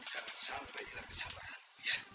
jangan sampai hilang kesabaran